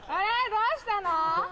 どうしたの？